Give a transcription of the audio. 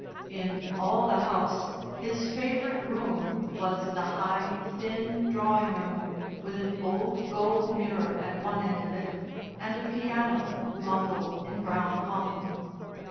In all the house his favourite room was the high, thin drawing room with an old gold mirror at one end of it and a piano muffled in brown holland.